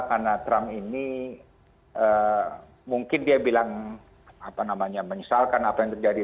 karena trump ini mungkin dia bilang apa namanya menyesalkan apa yang terjadi